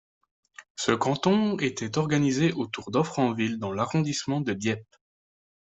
Ce canton était organisé autour d'Offranville dans l'arrondissement de Dieppe.